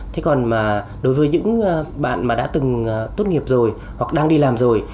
thế còn đối với những bạn mà đã từng tốt nghiệp rồi hoặc đang đi làm rồi